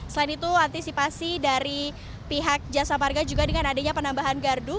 selain itu antisipasi dari pihak jasa marga juga dengan adanya penambahan gardu